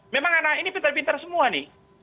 memang anak ini pintar pintar semua nih